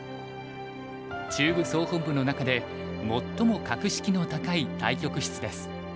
中部総本部の中で最も格式の高い対局室です。